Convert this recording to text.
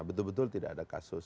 betul betul tidak ada kasus